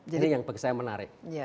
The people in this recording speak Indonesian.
jadi yang bagi saya menarik